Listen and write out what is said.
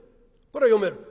これは読める。